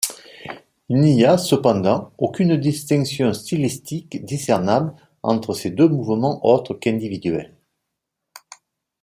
Il n'y a, cependant, aucune distinction stylistique discernable entre ces deux mouvements autres qu'individuels.